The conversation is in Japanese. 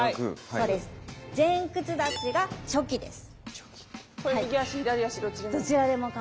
そうです。